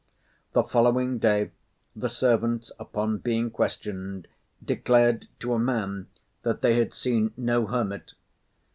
The following day, the servants, upon being questioned, declared, to a man, that they had seen no hermit.